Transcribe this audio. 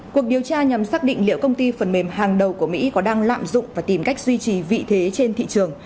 cuộc điều tra nhằm xác định liệu công ty phần mềm hàng đầu của mỹ có đang lạm dụng và tìm cách duy trì vị thế trên thị trường